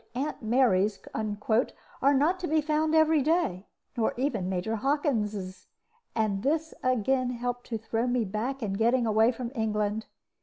"Aunt Marys" are not to be found every day, nor even Major Hockins; and this again helped to throw me back in getting away from England.